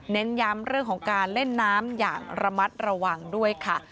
เน้นย้ำการเล่นน้ำความระมัดระวังด้วยค่ะ